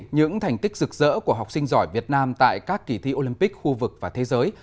những thành tích rực rỡ của học sinh giỏi việt nam tại các kỳ thi olympic khu vực và thế giới